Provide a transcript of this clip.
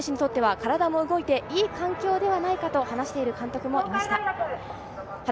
選手にとっては体も動いて、いい環境ではないかと話している監督もいました。